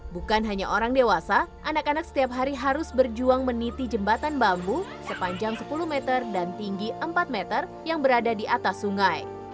bukan hanya orang dewasa anak anak setiap hari harus berjuang meniti jembatan bambu sepanjang sepuluh meter dan tinggi empat meter yang berada di atas sungai